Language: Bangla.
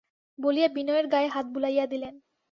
বলিয়া বিনয়ের গায়ে হাত বুলাইয়া দিলেন।